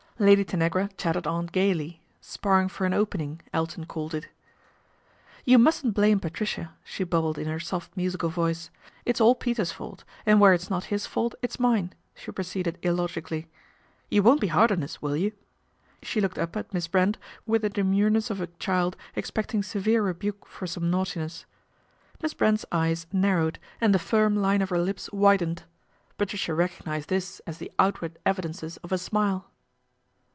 Lady Tanagra chatted on gaily, " sparring for an opening," Elton called it. " You mustn't blame Patricia," she bubbled in her soft musical voice, " it's all Peter's fault, and where it's not his fault it's mine," she proceeded illogically. " You won't be hard on us, will you ?" She looked up at Miss Brent with the demureness of a child expecting severe rebuke for some naughtiness. Miss Brent's eyes narrowed and the firm line of her lips widened. Patricia recognised this as the outward evidences of a smile.